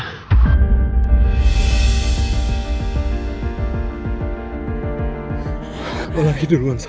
gue lari duluan sa